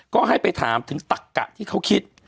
ก็ให้ไปถามถึงตักกะที่เขาคิด